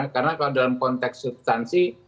karena kalau dalam konteks substansi